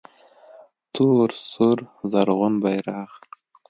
تور سور زرغون بیرغ